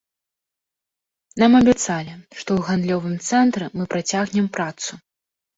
Нам абяцалі, што ў гандлёвым цэнтры мы працягнем працу.